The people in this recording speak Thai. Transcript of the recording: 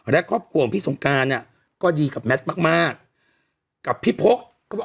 และครอบครัวของพี่สงการอ่ะก็ดีกับแมทมากมากกับพี่พกก็บอก